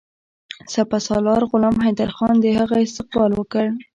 سپه سالار غلام حیدرخان د هغه استقبال وکړ.